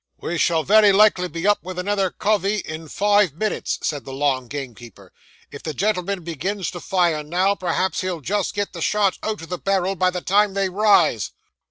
'We shall very likely be up with another covey in five minutes,' said the long gamekeeper. 'If the gentleman begins to fire now, perhaps he'll just get the shot out of the barrel by the time they rise.